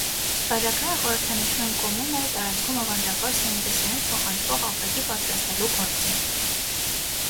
Բաժակները խորհրդանշում են կոմունայի տարածքում ավանդաբար սերնդեսերունդ փոխանցվող ապակի պատրաստելու գործը։